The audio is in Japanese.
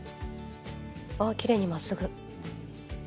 あきれいにまっすぐ。